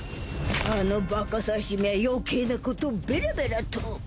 あのバカ祭司め余計なことをベラベラと。